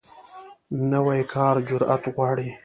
نوی کار جرئت غواړي